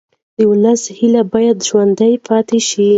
د ولس هیله باید ژوندۍ پاتې شي